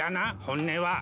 本音は。